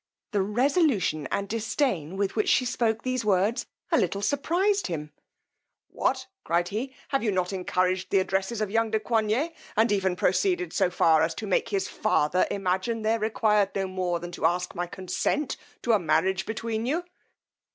The resolution and disdain with which she spoke these words a little surprized him: what, cried he, have you not encouraged the addresses of young de Coigney, and even proceeded so far as to make his father imagine there required no more than to ask my consent to a marriage between you!